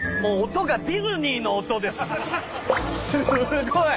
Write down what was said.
すごい。